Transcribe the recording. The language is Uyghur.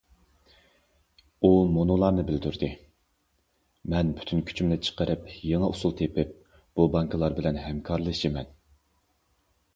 ئۇ مۇنۇلارنى بىلدۈردى:« مەن پۈتۈن كۈچۈمنى چىقىرىپ، يېڭى ئۇسۇل تېپىپ، بۇ بانكىلار بىلەن ھەمكارلىشىمەن».